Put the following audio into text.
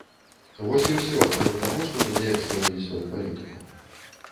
Вось і ўсё, а не таму, што мы неяк змянілі сваю палітыку.